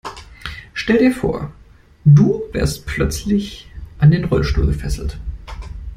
Stell dir vor, du wärst plötzlich an den Rollstuhl gefesselt.